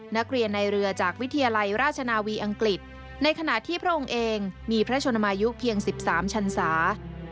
นักเรียนในเรือจากวิทยาลัยราชนาวีอังกฤษในขณะที่พระองค์เองมีพระชนมายุเพียง๑๓ชันศา